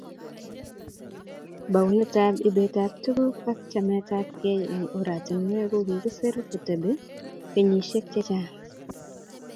Bounetap ibetap tuguk ak chametabkei eng oratinwek ko kikiser kotebi kenyisiek chechang